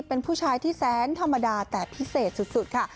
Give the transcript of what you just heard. เป็นผู้ชายที่แสนธรรมดาแต่พิเศษสุดค่ะ